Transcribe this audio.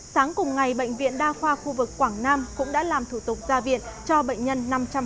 sáng cùng ngày bệnh viện đa khoa khu vực quảng nam cũng đã làm thủ tục ra viện cho bệnh nhân năm trăm sáu mươi